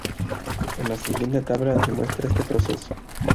En la siguiente tabla se muestra este proceso.